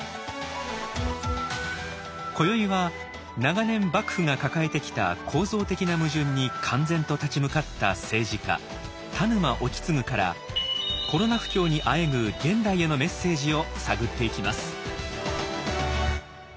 今宵は長年幕府が抱えてきた構造的な矛盾に敢然と立ち向かった政治家田沼意次からコロナ不況にあえぐ現代へのメッセージを探っていきます。